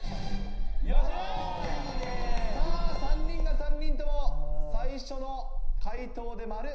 ３人が３人とも最初の回答で丸！